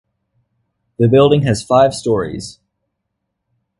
The building has five stories.